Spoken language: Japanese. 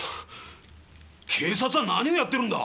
警察は何をやってるんだ！